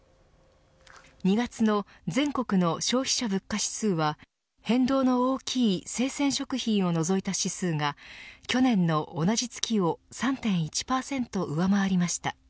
２月の全国の消費者物価指数は変動の大きい生鮮食品を除いた指数が去年の同じ月を３．１％上回りました。